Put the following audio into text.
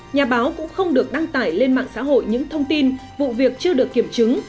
nhà báo cũng không được đăng tải lên mạng xã hội những thông tin vụ việc chưa được kiểm chứng